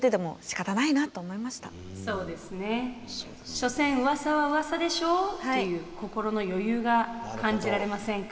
「所詮うわさはうわさでしょ？」っていう心の余裕が感じられませんか？